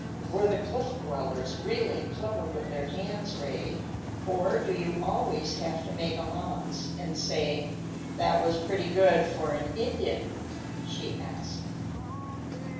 "Were the Cliff Dwellers really clever with their hands, Ray, or do you always have to make allowance and say, 'That was pretty good for an Indian'?" she asked.